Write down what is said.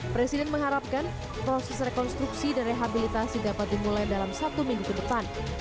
presiden mengharapkan proses rekonstruksi dan rehabilitasi dapat dimulai dalam satu minggu ke depan